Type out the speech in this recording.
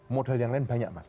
modal yang lain banyak mas